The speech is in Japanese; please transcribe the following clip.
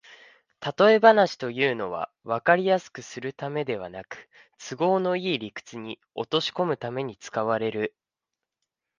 たとえ話というのは、わかりやすくするためではなく、都合のいい理屈に落としこむために使われる